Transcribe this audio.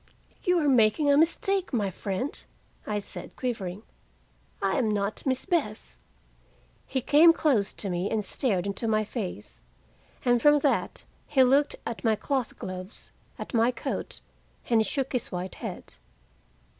"You are making a mistake, my friend," I said, quivering. "I am not 'Miss Bess'!" He came close to me and stared into my face. And from that he looked at my cloth gloves, at my coat, and he shook his white head.